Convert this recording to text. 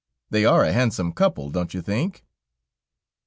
They are a handsome couple, don't you think so?"